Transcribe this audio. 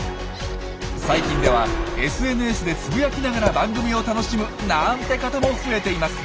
最近ではＳＮＳでつぶやきながら番組を楽しむなんて方も増えています。